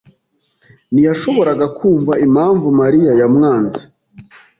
ntiyashoboraga kumva impamvu Mariya yamwanze.